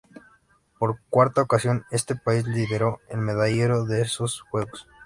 Por cuarta ocasión este país lideró el medallero de estos juegos.